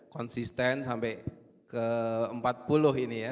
konsisten sampai ke empat puluh ini ya